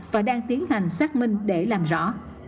và đang tiến hành xác minh để làm rõ